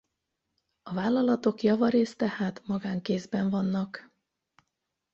A vállalatok javarészt tehát magánkézben vannak.